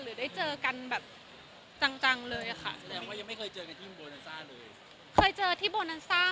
หรือได้เจอกันแบบจังเลยค่ะ